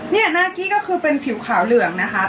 นี่หน้ากี้ก็คือเป็นผิวขาวเหลืองนะคะ